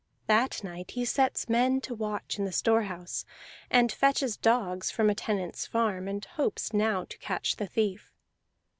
That night he sets men to watch in the store house, and fetches dogs from a tenants farm, and hopes now to catch the thief.